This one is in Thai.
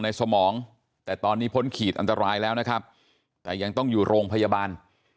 สมองแต่ตอนนี้พ้นขีดอันตรายแล้วนะครับแต่ยังต้องอยู่โรงพยาบาล